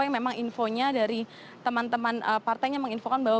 yang memang infonya dari teman teman partainya menginfokan bahwa